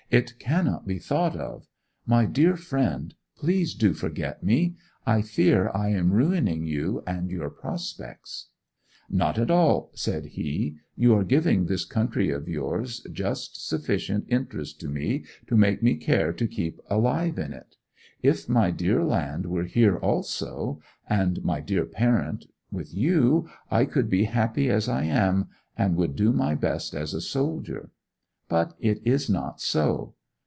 'It cannot be thought of! My dear friend, please do forget me: I fear I am ruining you and your prospects!' 'Not at all!' said he. 'You are giving this country of yours just sufficient interest to me to make me care to keep alive in it. If my dear land were here also, and my old parent, with you, I could be happy as I am, and would do my best as a soldier. But it is not so.